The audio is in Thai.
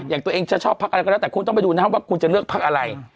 อย่างตัวเองจะชอบพักอะไรก็แล้วแต่คุณต้องไปดูนะครับว่าคุณจะเลือกพักอะไร